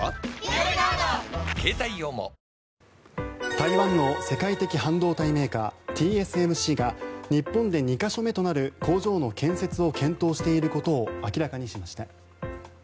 台湾の世界的半導体メーカーＴＳＭＣが日本で２か所目となる工場の建設を検討していることを明らかにしました。